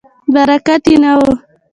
برکت یې نه و.